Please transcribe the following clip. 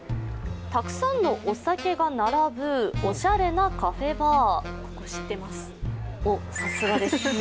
たくさんのお酒が並ぶおしゃれなカフェバー。